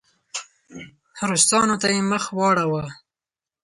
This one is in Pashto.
روسانو ته یې مخ واړاوه.